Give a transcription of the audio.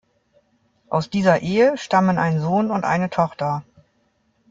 Aus dieser Ehe stammen ein Sohn und eine Tochter.